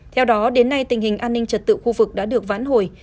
theo đó đến nay tình hình an ninh trật tự khu vực đã được vãn hồi